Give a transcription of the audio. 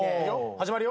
始まるよ。